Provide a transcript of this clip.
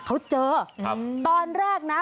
เขาเจอครับตอนแรกนะ